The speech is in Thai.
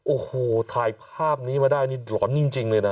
โอ้โหถ่ายภาพนี้มาได้นี่หลอนจริงเลยนะ